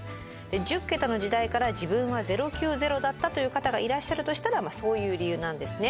１０桁の時代から自分は「０９０」だったという方がいらっしゃるとしたらそういう理由なんですね。